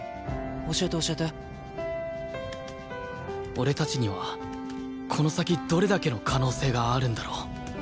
俺たちにはこの先どれだけの可能性があるんだろう？